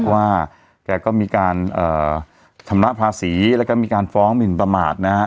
ว่าแกก็มีการชำระภาษีแล้วก็มีการฟ้องหมินประมาทนะฮะ